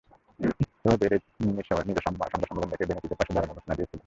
তবে পেরেজ নিজে সংবাদ সম্মেলন ডেকে বেনিতেজের পাশে দাঁড়ানোর ঘোষণা দিয়েছিলেন।